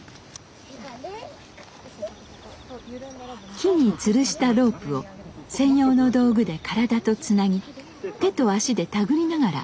木につるしたロープを専用の道具で体とつなぎ手と足でたぐりながら登ります。